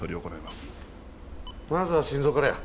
まずは心臓からや。